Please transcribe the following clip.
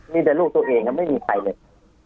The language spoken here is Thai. มีแต่ลูกตัวเองไม่มีใครเลย